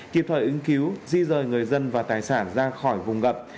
kịp thời ứng cứu di rời người dân và tỉnh bình phước